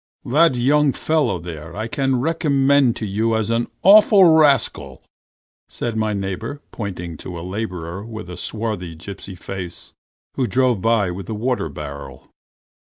"That young fellow there I can recommend to you as an awful rascal," said my neighbor, pointing to a laborer with a swarthy, gipsy face, who drove by with the water barrel.